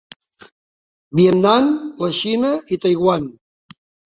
Vietnam, la Xina i Taiwan.